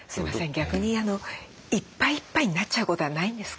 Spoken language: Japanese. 逆にいっぱいいっぱいになっちゃうことはないんですか？